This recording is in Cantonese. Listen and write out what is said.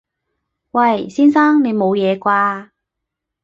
喂！先生！你冇嘢啩？